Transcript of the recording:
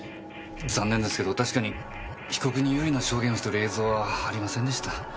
残念ですけど確かに被告に有利な証言をしてる映像はありませんでした。